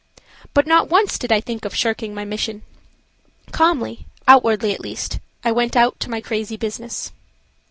But not once did I think of shirking my mission. Calmly, outwardly at least, I went out to my crazy business.